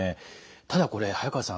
ただこれ早川さん